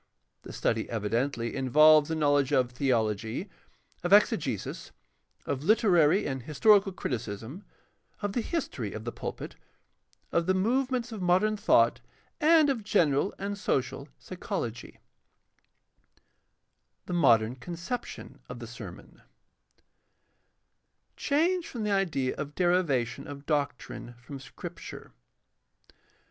The study evidently involves a knowledge of theology, of exegesis, of literary and historical criticism, of the history of the pulpit, of the movements of modern thought, and of general and social psychology. PRACTICAL THEOLOGY 583 2. THE MODERN CONCEPTION OF THE SERMON Change from the idea of derivation of doctrine from Scripture.